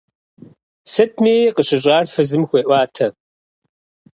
Сытми къыщыщӀар фызым хуеӀуатэ.